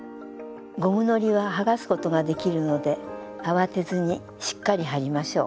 ゴムのりは剥がすことができるので慌てずにしっかり貼りましょう。